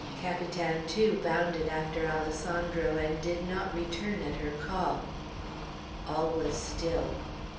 Capitan, too, bounded after Alessandro, and did not return at her call. All was still.